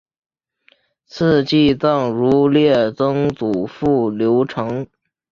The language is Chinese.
赐祭葬如例曾祖父刘澄。